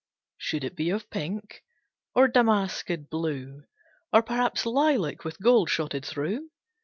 Should it be of pink, or damasked blue? Or perhaps lilac with gold shotted through?